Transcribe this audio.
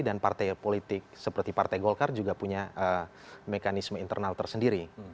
partai politik seperti partai golkar juga punya mekanisme internal tersendiri